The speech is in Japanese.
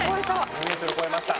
２ｍ超えました。